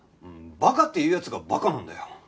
バカって言う奴がバカなんだよ。